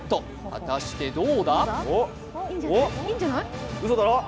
果たしてどうだ？